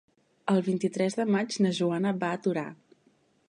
El vint-i-tres de maig na Joana va a Torà.